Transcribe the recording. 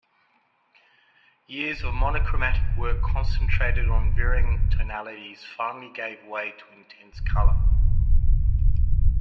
Years of monochromatic work concentrated on varying tonalities finally gave way to intense color.